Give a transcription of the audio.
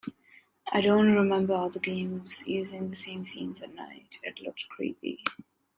I don't remember other games using the same scenes at night; it looked creepy.